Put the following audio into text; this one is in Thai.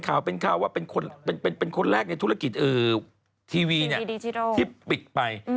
ข่าวเป็นข่าวว่าเป็นคนแรกในธุรกิจทีวีที่ปิดไป